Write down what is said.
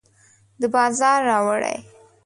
د بازار راوړي